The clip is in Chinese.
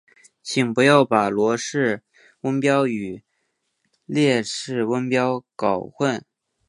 请不要把罗氏温标与列氏温标搞混。